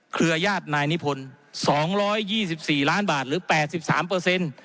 เครือญาตินายนิพนธ์๒๒๔ล้านบาทหรือ๘๓เปอร์เซ็นต์